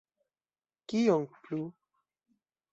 Kion plu?